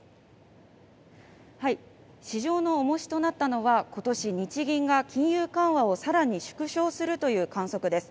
市場の重しとなったのはことし日銀が金融緩和をさらに縮小するという観測です